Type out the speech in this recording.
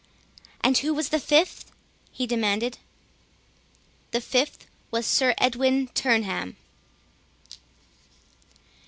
"And who was the fifth?" he demanded. "The fifth was Sir Edwin Turneham."